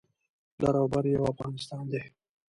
لر او بر یو افغانستان دی